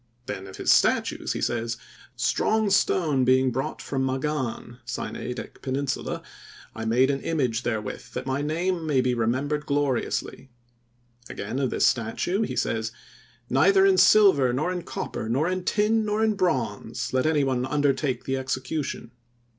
Then of his statues he says: "Strong stone being brought from Magan (Sinaitic peninsula) I made an image therewith that my name may be remembered gloriously." Again of this statue he says: "Neither in silver, nor in copper, nor in tin, nor in bronze let any one undertake the execution.